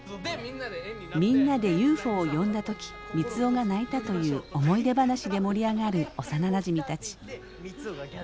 みんなでＵＦＯを呼んだ時三生が泣いたという思い出話で盛り上がる幼なじみたち。